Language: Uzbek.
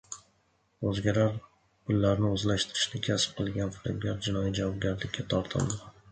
O‘zgalar pullarini o‘zlashtirishni kasb qilgan firibgar jinoiy javobgarlikka tortildi